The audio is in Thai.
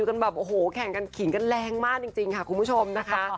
จนแบบโอ้โหแข่งกันขิงกันแรงมากจริงค่ะคุณผู้ชมนะคะ